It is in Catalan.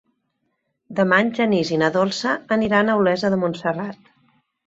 Demà en Genís i na Dolça aniran a Olesa de Montserrat.